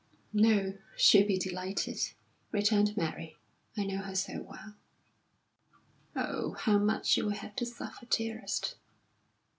"No, she'll be delighted," returned Mary. "I know her so well." "Oh, how much you will have to suffer, dearest!"